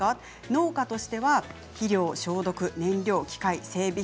農家としては肥料を消毒、燃料機械、整備